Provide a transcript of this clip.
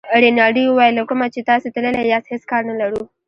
رینالډي وویل له کومه چې تاسي تللي یاست هېڅ کار نه لرو.